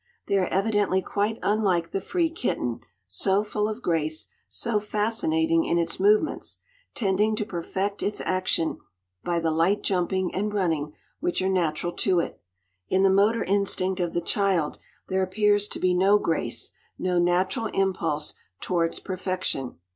They are evidently quite unlike the free kitten, so full of grace, so fascinating in its movements, tending to perfect its action by the light jumping and running which are natural to it. In the motor instinct of the child there appears to be no grace, no natural impulse towards perfection.